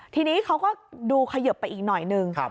ทีนี้เขาก็ดูเขยิบไปอีกหน่อยนึง